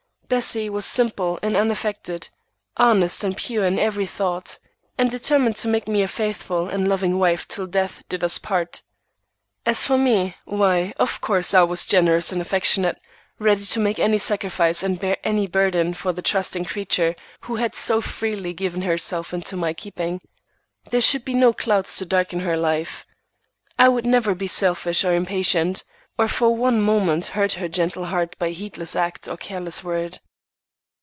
Bessie was simple and unaffected, honest and pure in every thought, and determined to make me a faithful and loving wife till death did us part. As for me, why, of course I was generous and affectionate, ready to make any sacrifice and bear any burden for the trusting creature who had so freely given herself into my keeping. There should be no clouds to darken her life. I would never be selfish or impatient, or for one moment hurt her gentle heart by heedless act or careless word.